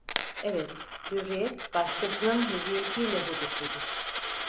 Evet, hürriyet başkasının hürriyetiyle hudutludur.